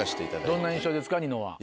どんな印象ですかニノは。